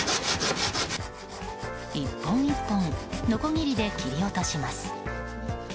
１本１本のこぎりで切り落とします。